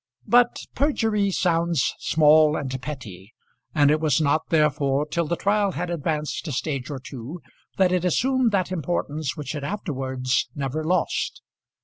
But perjury sounds small and petty, and it was not therefore till the trial had advanced a stage or two that it assumed that importance which it afterwards never lost.